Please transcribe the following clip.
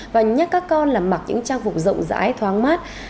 và nhắc các con là mặc những trang phục rộng rãi thoáng mát